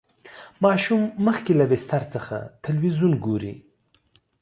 ماشوم مخکې له بستر څخه تلویزیون ګوري.